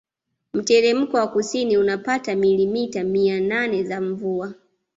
Mteremko wa kusini unapata milimita mia name za mvua